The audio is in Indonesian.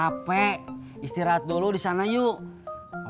bapak capek istirahat dulu disana yuk